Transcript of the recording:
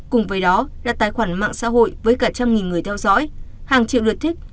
cùng với đó là tài khoản mạng xã hội với cả trăm nghìn người theo dõi hàng triệu lượt thích